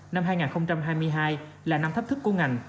năm hai nghìn hai mươi hai là năm thách thức của ngành